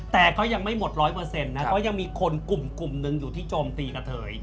แต่ก็ยังไม่หมดร้อยเปอร์เซ็นต์นะก็ยังมีคนกลุ่มหนึ่งอยู่ที่โจมตีกระเทย